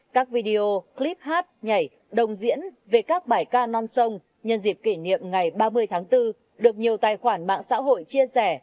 các video clip hát nhảy đồng diễn về các bài ca non sông nhân dịp kỷ niệm ngày ba mươi tháng bốn được nhiều tài khoản mạng xã hội chia sẻ